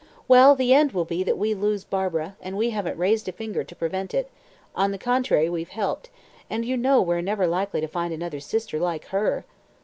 "Well, the end will be that we lose Barbara, and we haven't raised a finger to prevent it on the contrary we've helped and you know we're never likely to find another sister like her."